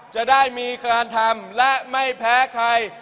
จะได้มีการทำและไม่แพ้ใคร